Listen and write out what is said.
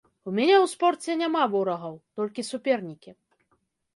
У мяне ў спорце няма ворагаў, толькі супернікі.